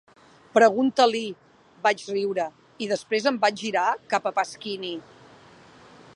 "Pregunta-l'hi", vaig riure, i després em vaig girar cap a Pasquini.